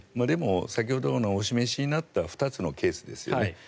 でも先ほどお示しになった２つのケースですよね。